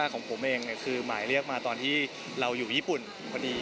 ของผมเองคือหมายเรียกมาตอนที่เราอยู่ญี่ปุ่นพอดี